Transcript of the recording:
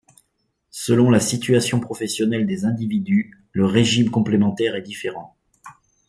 Selon la situation professionnelle des individus, le régime complémentaire est différent.